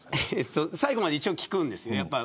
最後まで一応聞くんです。